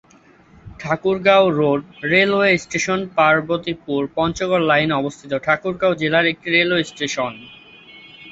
Thakurgaon road railway station Parbatipur Panchagarh লাইনে অবস্থিত ঠাকুরগাঁও জেলার একটি রেলওয়ে স্টেশন।